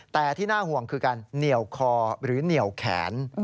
แต่ที่น่าห่วงคือการเหนียวคอหรือเหนียวแขน